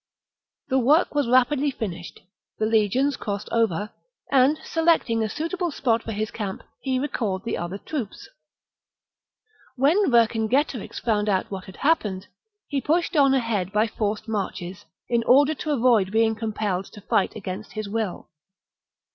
The work was rapidly finished ; the legions crossed over ; and, selecting a suitable spot for his camp, he recalled the other troops. When Vercingetorix found out what had happened, he pushed on ahead by forced marches, in order to avoid being compelled to fight against his will.